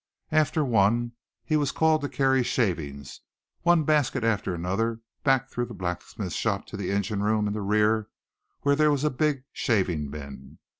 After one he was called to carry shavings, one basket after another back through the blacksmith shop to the engine room in the rear where was a big shaving bin.